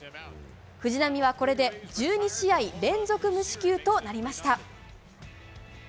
藤浪はこれで１２試合連続無四球となりました。